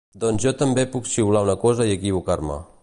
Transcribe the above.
Doncs jo també puc xiular una cosa i equivocar-me.